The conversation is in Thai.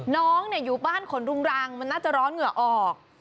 น้องอยู่บ้านขนรุงรังมันน่าจะร้อนเหงื่อออก